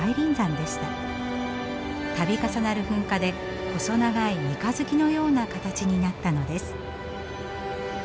度重なる噴火で細長い三日月のような形になったのです。